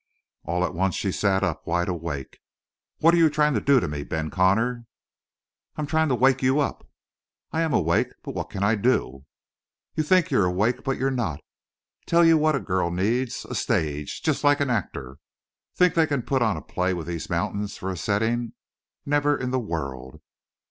All at once she sat up, wide awake. "What are you trying to do to me, Ben Connor?" "I'm trying to wake you up." "I am awake. But what can I do?" "You think you're awake, but you're not. Tell you what a girl needs, a stage just like an actor. Think they can put on a play with these mountains for a setting? Never in the world.